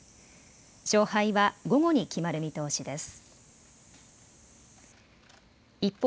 勝敗は午後に決まる見通しです。